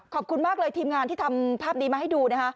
ขอบคุณมากเลยทีมงานที่ทำภาพนี้มาให้ดูนะคะ